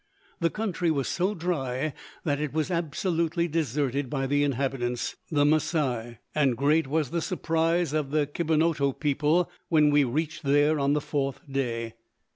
The country was so dry that it was absolutely deserted by the inhabitants, the Masai, and great was the surprise of the Kibonoto people when we reached there on the fourth day.